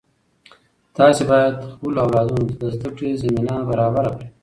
تاسې باید خپلو اولادونو ته د زده کړې زمینه برابره کړئ.